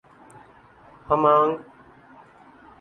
ہمانگ